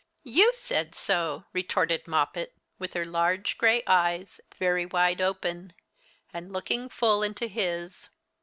"You said so," retorted Moppet, with her large gray eyes very wide open, and looking full into his.